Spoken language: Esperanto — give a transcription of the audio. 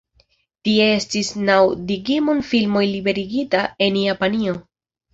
Tie estis naŭ Digimon filmoj liberigita en Japanio.